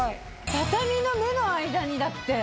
畳の目の間にだって。